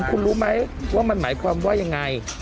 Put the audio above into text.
คุณรู้ไหมว่ามันหมายความว่ายังไง